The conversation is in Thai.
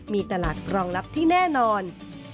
มีตลาดรองรับที่แน่นอน